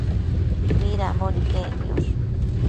midambo nidec niosh ?